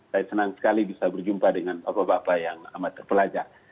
saya senang sekali bisa berjumpa dengan bapak bapak yang amat terpelajar